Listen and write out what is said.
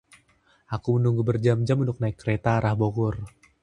Aku menunggu berjam-jam untuk naik kereta arah Bogor.